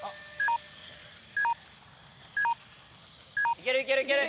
いけるいけるいける！